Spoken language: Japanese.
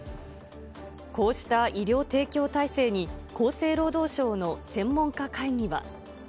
こうした医療提供体制に厚生労働省の専門家会議は。